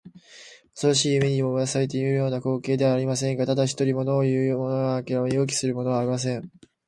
おそろしい夢にでもうなされているような光景ではありませんか。だれひとり、ものをいうものもなければ身動きするものもありません。